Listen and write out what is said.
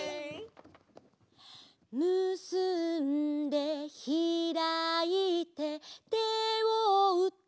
「むすんでひらいて手をうって」